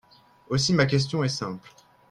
Aussi, ma question est simple.